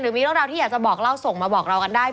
มีเรื่องราวที่อยากจะบอกเล่าส่งมาบอกเรากันได้